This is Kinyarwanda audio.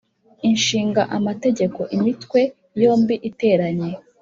Ishinga Amategeko, Imitwe yombi iteranye,